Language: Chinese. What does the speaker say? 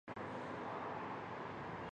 毛刺花椒为芸香科花椒属下的一个变种。